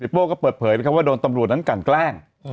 เซ็ตโป้ก็เปิดเผยว่าโดยตำรวจนั้นกันแกล้ง